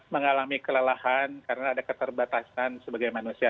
mengalami kelelahan karena ada keterbatasan sebagai manusia